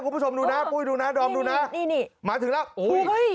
คุณผู้ชมดูหน้าปุ้ยดูหน้าดอมดูหน้านี่นี่นี่นี่มาถึงแล้วโอ้ย